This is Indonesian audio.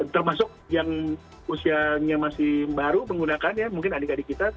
termasuk yang usianya masih baru menggunakan ya mungkin adik adik kita